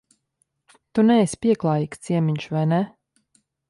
Tu neesi pieklājīgs ciemiņš, vai ne?